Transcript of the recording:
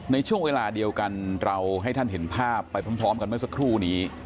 ในช่วงเวลาเดียวกันเราให้ท่านเห็นภาพไปพร้อมกันเมื่อสักครู่นี้